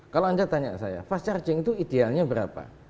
kalau anda tanya saya fast charging itu idealnya berapa